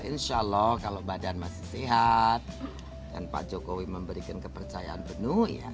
insya allah kalau badan masih sehat dan pak jokowi memberikan kepercayaan penuh ya